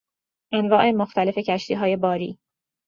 انواع مختلف کشتیهای باری